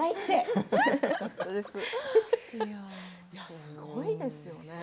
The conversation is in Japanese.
すごいですよね。